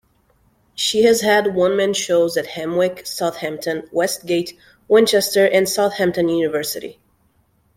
She has had one man shows at Hamwic, Southampton; Westgate, Winchester, and Southampton University.